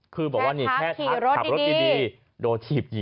คือแบบว่าแค่ขับรถดี